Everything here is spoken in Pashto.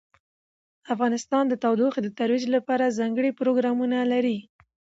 افغانستان د تودوخه د ترویج لپاره ځانګړي پروګرامونه لري.